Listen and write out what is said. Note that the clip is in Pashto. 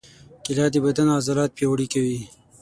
کېله د بدن عضلات پیاوړي کوي.